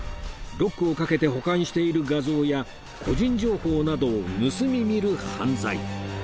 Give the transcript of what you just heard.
ロックをかけて保管している画像や個人情報などを盗み見る犯罪